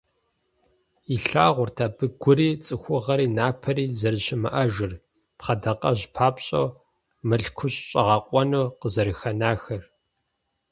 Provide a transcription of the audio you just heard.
Илъагъурт абы Гури, ЦӀыхугъэри, Напэри зэрыщымыӀэжыр, пхъэдакъэжь папщӀэу мылъкущӀэгъэкъуэну къызэрынахэр.